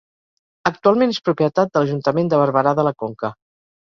Actualment és propietat de l'Ajuntament de Barberà de la Conca.